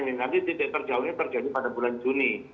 jadi nanti titik terjauhnya terjadi pada bulan juni